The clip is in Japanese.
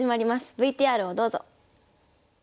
ＶＴＲをどうぞ。